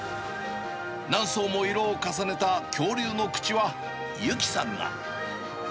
何層も色を重ねた恐竜の口は、ゆきさんが。